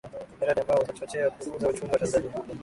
Ni mradi ambao utachochea kukuza uchumi wa Tanzania